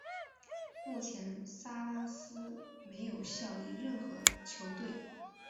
目前萨拉斯没有效力任何球队。